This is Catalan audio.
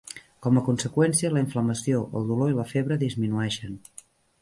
Com a conseqüència, la inflamació, el dolor i la febre disminueixen.